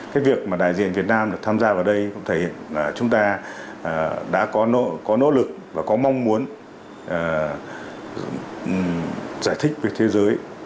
cái việc mà đại diện việt nam được tham gia vào đây cũng thể hiện là chúng ta đã có nỗ lực và có mong muốn giải thích về thế giới